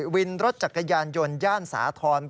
วินรถจักรยานยนต์ย่านสาธรณ์